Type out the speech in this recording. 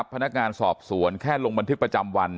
พนักงานสอบสวนแค่ลงบันทึกประจำวัน